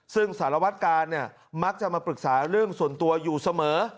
ซึ่งสารวัตกาลเนี่ยมักจะมาปรึกษาเรื่องส่วนตัวอยู่เสมอ